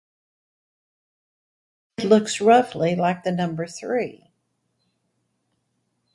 It looks roughly like the number three.